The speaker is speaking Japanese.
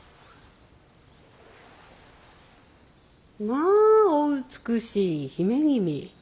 まあお美しい姫君。